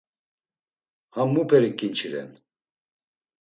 Ham muperi ǩinçi ren?